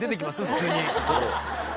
普通に。